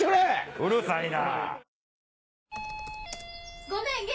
うるさいな！